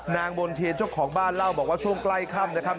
นางบนเพชรช่องของบ้านเล่าบอกว่าช่วงใกล้ค่ำนะครับ